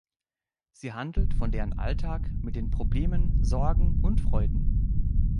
Sie handelt von deren Alltag mit den Problemen, Sorgen und Freuden.